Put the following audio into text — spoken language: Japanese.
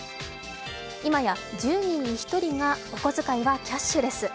今や１０人に１人がお小遣いはキャッシュレス。